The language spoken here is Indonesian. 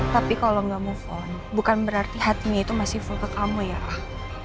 tapi kalau nggak move on bukan berarti hatinya itu masih full ke kamu ya ah